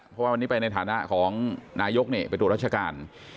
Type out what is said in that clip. เพราะว่าวันนี้ไปในฐานะของนายกไปตรวจราชการ